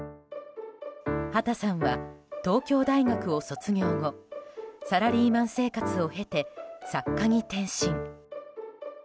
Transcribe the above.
畑さんは東京大学を卒業後サラリーマン生活を経て作家に転身。